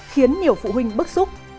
khiến nhiều phụ huynh bức xúc